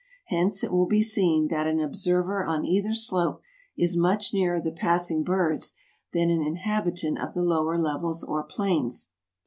Hence it will be seen that an observer on either slope is much nearer the passing birds than an inhabitant of the lower levels or plains.